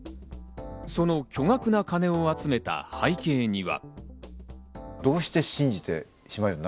その巨額な金を集めた背景には。